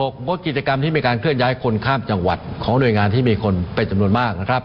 งดกิจกรรมที่มีการเคลื่อนย้ายคนข้ามจังหวัดของหน่วยงานที่มีคนเป็นจำนวนมากนะครับ